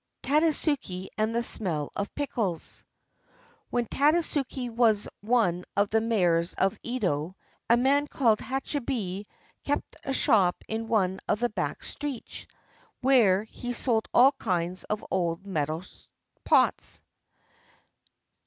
TADASUKE AND THE SMELL OF PICKLES When Tadasuke was one of the mayors of Edo, a man called Hachibei kept a shop in one of the back streets, where he sold all kinds of old metal pots.